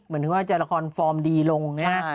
เหมือนถึงว่าจะละครฟอร์มดีลงนะฮะ